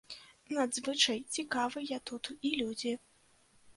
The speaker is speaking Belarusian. Надзвычай цікавыя тут і людзі.